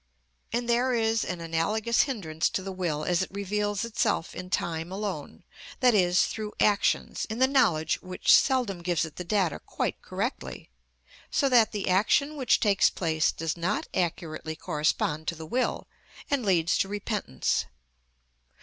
And there is an analogous hindrance to the will as it reveals itself in time alone, i.e., through actions, in the knowledge which seldom gives it the data quite correctly, so that the action which takes place does not accurately correspond to the will, and leads to repentance.